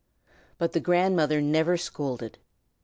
But the grandmother never scolded.